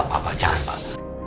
pak pak jangan pak